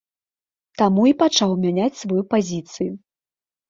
Таму і пачаў мяняць сваю пазіцыю.